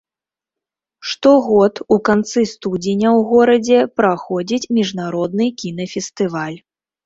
Штогод у канцы студзеня ў горадзе праходзіць міжнародны кінафестываль.